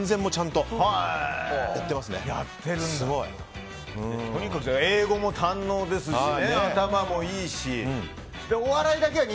とにかく英語も堪能ですし頭もいいし。